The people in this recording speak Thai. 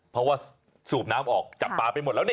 เพราะว่าสูบน้ำออกจากป่าไปหมดแล้วนี่